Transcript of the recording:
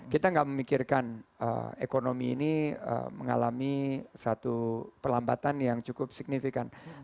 kita tidak memikirkan ekonomi ini mengalami satu perlambatan yang cukup signifikan